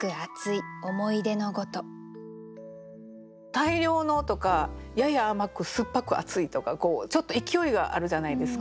「大量の」とか「やや甘く酸っぱく熱い」とかちょっと勢いがあるじゃないですか。